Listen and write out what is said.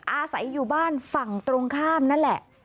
อาศัยอยู่บ้านฝั่งตรงข้ามนั่นแหละ